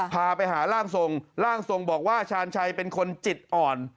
พาไปหาร่างทรงร่างทรงบอกว่าชาญชัยเป็นคนจิตอ่อน